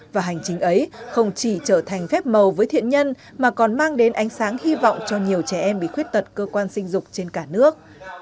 và hành trình ấy không chỉ trở thành phép màu với thiện nhân mà còn mang đến ánh sáng hy vọng cho nhiều trẻ em bị khuyết tật cơ quan sinh dục trên cả nước